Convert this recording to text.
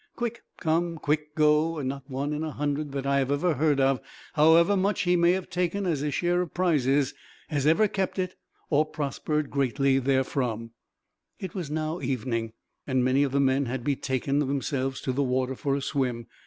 Quick come, quick go, and not one in a hundred that I have ever heard of, however much he may have taken as his share of prizes, has ever kept it, or prospered greatly therefrom." It was now evening, and many of the men had betaken themselves to the water, for a swim.